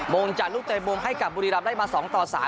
มงจัดลูกแต่มงให้กับบุรีรัมได้มา๒๓